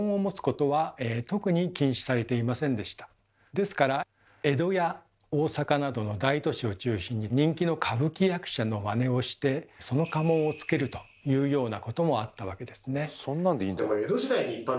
ですから江戸や大坂などの大都市を中心に人気の歌舞伎役者のまねをしてその家紋をつけるというようなこともあったわけですね。